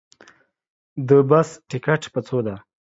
د بس ټکټ په څو ده